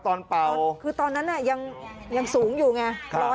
ตอนเป่าคือตอนนั้นน่ะยังยังสูงอยู่ไงค่ะ